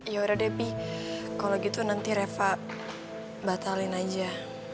ya udah deh bi kalo gitu nanti reva batalin aja